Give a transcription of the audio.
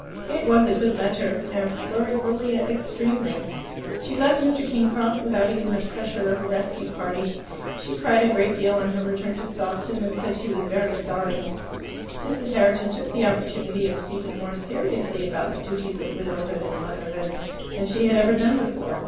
It was a good letter, and flurried Lilia extremely. She left Mr. Kingcroft without even the pressure of a rescue party. She cried a great deal on her return to Sawston, and said she was very sorry. Mrs. Herriton took the opportunity of speaking more seriously about the duties of widowhood and motherhood than she had ever done before.